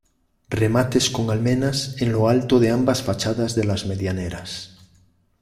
Remates con almenas en lo alto de ambas fachadas de las medianeras.